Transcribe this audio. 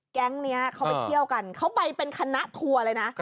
แก๊งนี้เขาไปเที่ยวกันเขาไปเป็นคณะทัวร์เลยนะ